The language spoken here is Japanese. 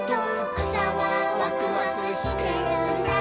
「くさはワクワクしてるんだ」